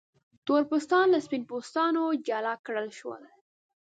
تور پوستان له سپین پوستو جلا کړل شول.